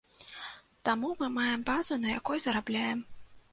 Таму мы маем базу, на якой зарабляем.